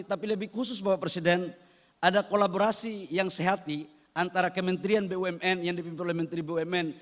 tapi lebih khusus bapak presiden ada kolaborasi yang sehati antara kementerian bumn yang dipimpin oleh menteri bumn